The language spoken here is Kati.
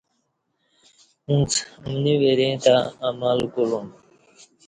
اُݩڅ امنی وریں تہ عمل کُولُوم